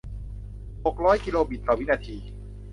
หกร้อยกิโลบิตต่อวินาที